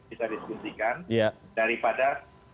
bisa diskusikan daripada